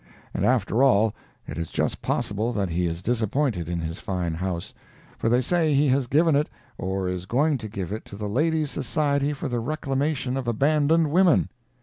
And after all, it is just possible that he is disappointed in his fine house, for they say he has given it, or is going to give it to the Ladies' Society for the Reclamation of Abandoned Women.